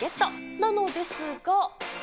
なのですが。